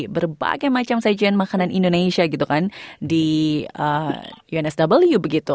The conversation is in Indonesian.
berbagai macam sajian makanan indonesia gitu kan di unsw begitu